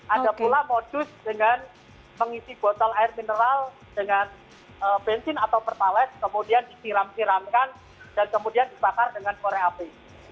ada pula modus dengan mengisi botol air mineral dengan bensin atau pertalat kemudian disiram siramkan dan kemudian dibakar dengan korek api